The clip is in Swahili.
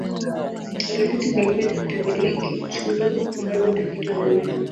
watafiti mbalimbali hutembelea kitulo kufanya utafiti wa mimea